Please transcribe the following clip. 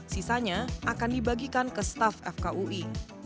sisanya akan dibagikan ke staff fkui